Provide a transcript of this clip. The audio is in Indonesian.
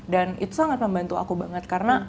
dan itu sangat membantu aku banget karena